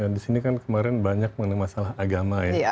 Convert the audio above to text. di sini kan kemarin banyak mengenai masalah agama ya